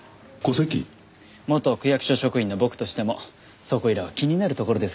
元区役所職員の僕としてもそこいらは気になるところですからね。